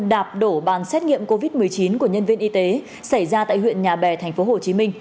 đạp đổ bàn xét nghiệm covid một mươi chín của nhân viên y tế xảy ra tại huyện nhà bè tp hcm